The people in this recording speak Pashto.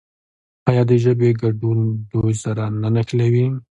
آیا د ژبې ګډون دوی سره نه نښلوي؟